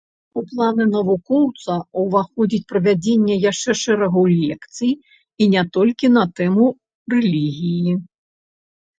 У планы навукоўца уваходзіць правядзенне яшчэ шэрагу лекцый і не толькі на тэму рэлігіі.